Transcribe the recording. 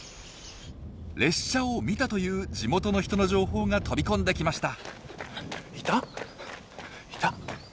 列車を見たという地元の人の情報が飛び込んできました。